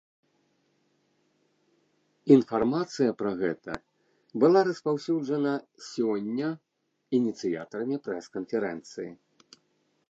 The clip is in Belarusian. Інфармацыя пра гэта была распаўсюджана сёння ініцыятарамі прэс-канферэнцыі.